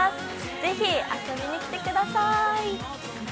ぜひ遊びにきてください。